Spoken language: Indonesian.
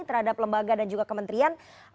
terhadap lembaga dan juga kementerian